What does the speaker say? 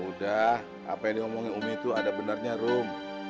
udah apa yang diomongin umi itu ada benarnya rum